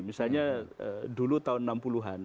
misalnya dulu tahun enam puluh an